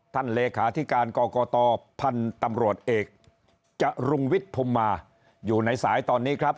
เลขาธิการกรกตพันธุ์ตำรวจเอกจรุงวิทย์ภูมิมาอยู่ในสายตอนนี้ครับ